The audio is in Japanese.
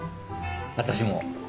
私も。